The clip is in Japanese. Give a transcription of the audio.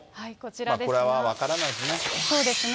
これは分からないですね。